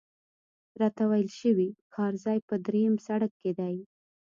راته ویل شوي کار ځای په درېیم سړک کې دی.